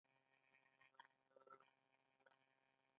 د ایران او ترکیې اړیکې مهمې دي.